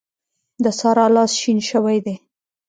د سارا لاس شين شوی دی.